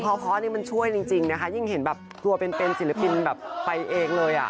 เพราะนี่มันช่วยจริงนะคะยิ่งเห็นตัวเป็นเป็นศิลปินไปเองเลย